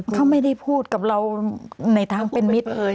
เขาไม่ได้พูดกับเราในทางเป็นมิตรเลย